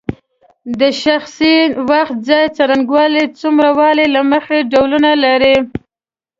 د شخص وخت ځای څرنګوالی څومره والی له مخې ډولونه لري.